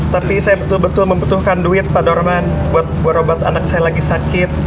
tapi saya betul betul membutuhkan duit pak dorman buat obat anak saya lagi sakit